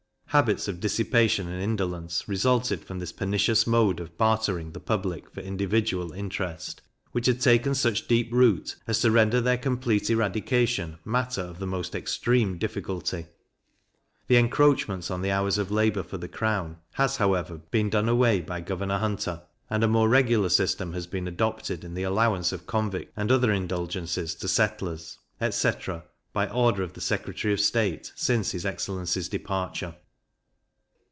Habits of dissipation and indolence resulted from this pernicious mode of bartering the public for individual interest, which had taken such deep root, as to render their complete eradication matter of the most extreme difficulty: The encroachments on the hours of labour for the crown has, however, been done away by Governor Hunter, and a a more regular system has been adopted in the allowance of convicts and other indulgences to settlers, etc. by order of the Secretary of State, since his excellency's departure.